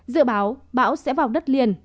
dự báo bão sẽ vào đất liền